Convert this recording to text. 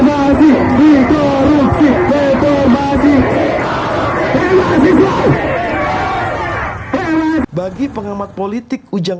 apa yang harus dilakukan